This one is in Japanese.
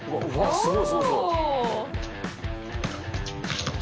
すごい。